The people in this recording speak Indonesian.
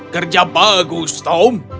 kerja bagus tom